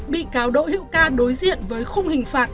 bị cáo đỗ hiệu ca đối diện với không hình phạt